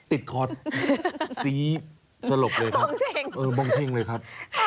ติดคอดสีสลบเลยครับมองเท้งเลยครับ